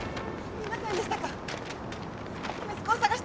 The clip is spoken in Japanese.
見ませんでしたか？